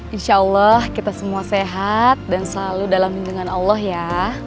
insya allah kita semua sehat dan selalu dalam lindungan allah ya